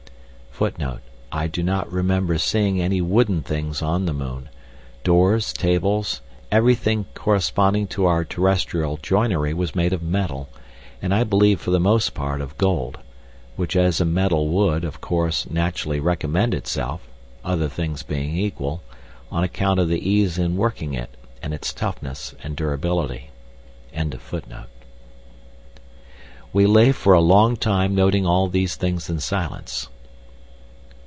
I do not remember seeing any wooden things on the moon; doors, tables, everything corresponding to our terrestrial joinery was made of metal, and I believe for the most part of gold, which as a metal would, of course, naturally recommend itself—other things being equal—on account of the ease in working it, and its toughness and durability. We lay for a long time noting all these things in silence.